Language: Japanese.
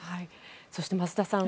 そして増田さん